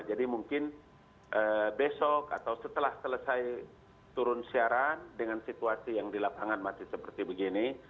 jadi mungkin besok atau setelah selesai turun siaran dengan situasi yang di lapangan masih seperti begini